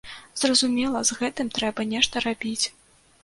Зразумела, з гэтым трэба нешта рабіць.